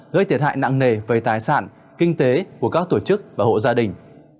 gây thiệt hại nặng nề về tài sản kinh tế của các tổ chức và hộ gia đình